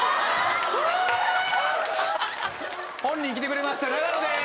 本人来てくれました永野です！